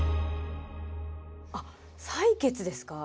あっ採血ですか？